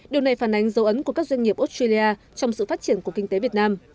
điều này phản ánh dấu ấn của các doanh nghiệp australia trong sự phát triển của kinh tế việt nam